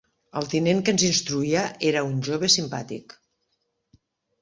El tinent que ens instruïa era un jove simpàtic